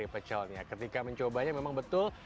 pecelnya ketika mencobanya memang betul